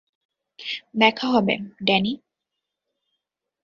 দেখা হবে, ড্যানি।